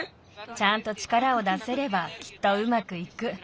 ちゃんと力を出せればきっとうまくいく。